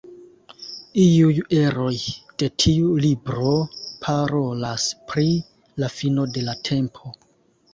Iuj eroj de tiu libro parolas pri la fino de la tempo.